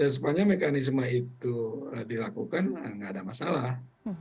sepanjang mekanisme itu dilakukan nggak ada masalah